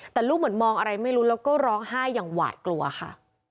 แต่ลูกเหมือนมองอะไรไม่รู้แล้วก็ร้องไห้อย่างหวาดกลัวค่ะ